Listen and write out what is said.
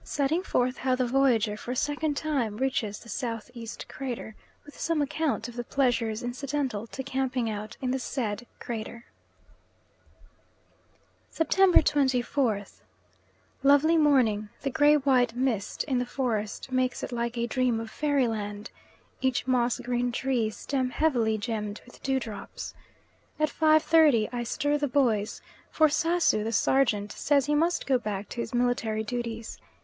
Setting forth how the Voyager for a second time reaches the S.E. crater, with some account of the pleasures incidental to camping out in the said crater. September 24th. Lovely morning, the grey white mist in the forest makes it like a dream of Fairyland, each moss grown tree stem heavily gemmed with dewdrops. At 5.30 I stir the boys, for Sasu, the sergeant, says he must go back to his military duties.